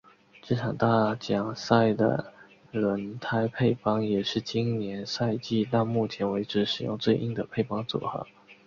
本场大奖赛的轮胎配方也是今年赛季到目前为止使用最硬的配方组合。